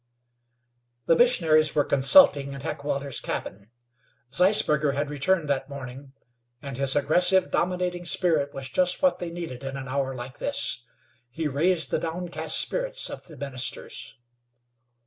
The missionaries were consulting in Heckewelder's cabin. Zeisberger had returned that morning, and his aggressive, dominating spirit was just what they needed in an hour like this. He raised the downcast spirits of the ministers.